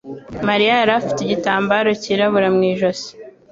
Mariya yari afite igitambaro cyirabura mu ijosi.